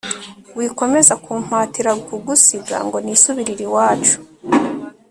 wikomeza kumpatira kugusiga ngo nisubirire iwacu